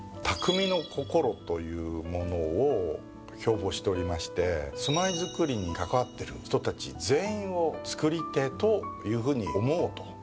匠の心というものを標榜しておりまして住まいづくりに関わってる人たち全員をつくり手というふうに思おうと。